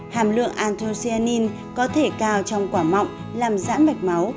hàm lượng antonyanin có thể cao trong quả mọng làm giãn mạch máu